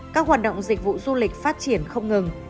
các hoạt động dịch vụ du lịch phát triển không ngừng